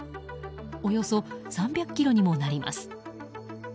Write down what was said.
およそ３００ｋｇにもなります。